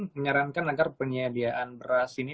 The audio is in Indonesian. menyarankan agar penyediaan beras ini